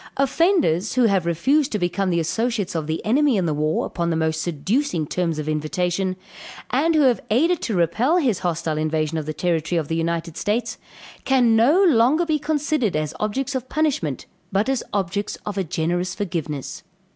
Offenders, who have refused to become the associates of the enemy in the war, upon the most seducing terms of invitation; and who have aided to repel his hostile invasion of the territory of the United States, can no longer be considered as objects of punishment, but as objects of a generous forgiveness.